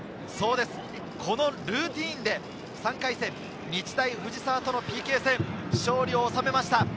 このルーティンで３回戦、日大藤沢とのＰＫ戦、勝利を収めました。